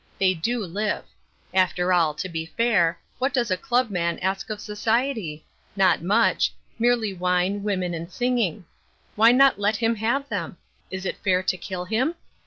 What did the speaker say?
They do live. After all, to be fair, what does a club man ask of society? Not much. Merely wine, women and singing. Why not let him have them? Is it fair to kill him?